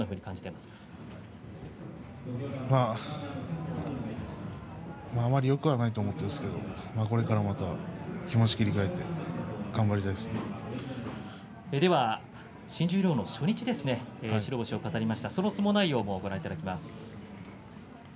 まあ、あまりよくはないと思っていますけれどこれからまた気持ちを切り替えて新十両の初日白星を飾りましたその相撲内容をご覧いただきます。